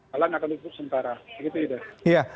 jalan akan ditutup sementara